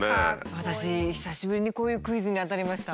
私久しぶりにこういうクイズに当たりました。